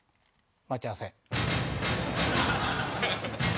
待ち合わせ。